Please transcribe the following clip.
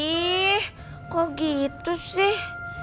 ih kok gitu sih